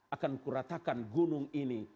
akan kuratakan gunung ini